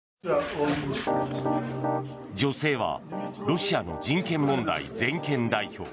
女性はロシアの人権問題全権代表。